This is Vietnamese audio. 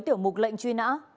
tiểu mục lệnh truy nã